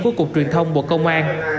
của cục truyền thông bộ công an